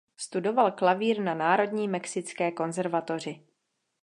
Studoval klavír na Národní mexické konzervatoři.